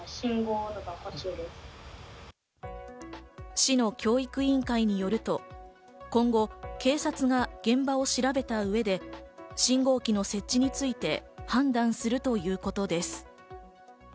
市の教育委員会によると、今後、警察が現場を調べた上で信号機の設置について判断するということです。